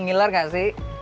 ngelar gak sih